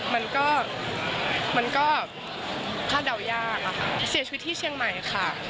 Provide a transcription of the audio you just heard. มันก็มันก็คาดเดายากอะค่ะเสียชีวิตที่เชียงใหม่ค่ะ